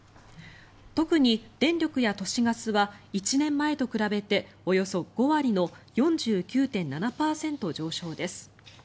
特に、電力や都市ガスは１年前と比べておよそ５割の４９．７％上昇です。